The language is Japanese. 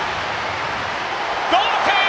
同点！